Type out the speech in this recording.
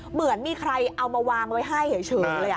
เหมือนมีใครเอามาวางไว้ให้เฉยเลย